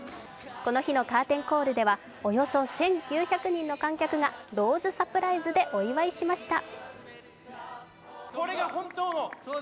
この日のカーテンコールではおよそ１９００人の観客がローズサプライズでお祝いしました。